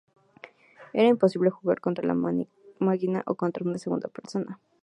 Era posible jugar contra la máquina o contra una segunda persona.